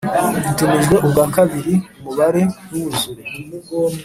itumijwe ubwa kabiri umubare ntiwuzure